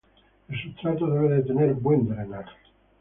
El substrato debe de tener buen drenaje.